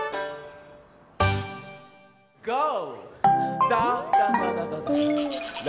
ゴー！